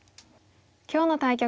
今日の対局